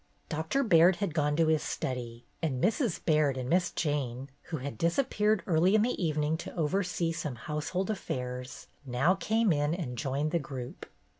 Doctor Baird had gone to his study, and Mrs. Baird and Miss Jane, who had disappeared early in the evening to over see some household affairs, now came in and joined the group.